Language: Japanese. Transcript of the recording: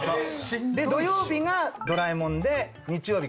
土曜日が『ドラえもん』で日曜日